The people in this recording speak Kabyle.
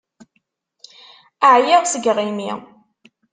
Ԑyiɣ seg yiɣimi.